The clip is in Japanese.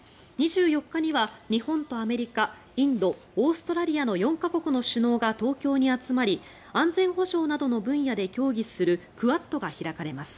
２４日には日本とアメリカインド、オーストラリアの４か国の首脳が東京に集まり安全保障などの分野で協議するクアッドが開かれます。